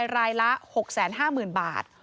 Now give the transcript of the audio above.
รายละ๖๕๐๐๐บาท